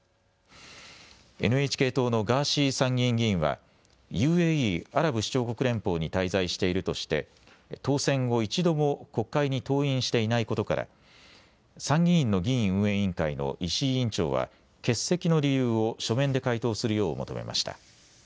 ＮＨＫ党のガーシー参議院議員はＵＡＥ・アラブ首長国連邦に滞在しているとして当選後、一度も国会に登院していないことから参議院の議院運営委員会の石井委員長は欠席の理由を書面で回答するよう求めました。